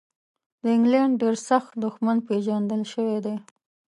د انګلینډ ډېر سخت دښمن پېژندل شوی دی.